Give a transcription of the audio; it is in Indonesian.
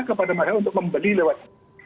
kepada mereka untuk membeli lewat